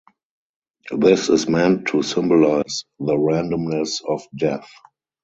This is meant to symbolize the randomness of death.